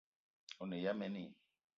O ne ya mene i?